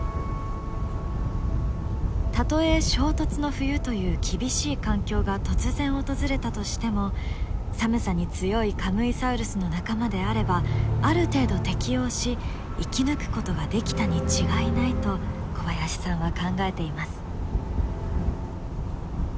たとえ衝突の冬という厳しい環境が突然訪れたとしても寒さに強いカムイサウルスの仲間であればある程度適応し生き抜くことができたに違いないと小林さんは考えています。